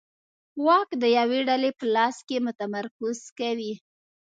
واک د یوې ډلې په لاس کې متمرکز کوي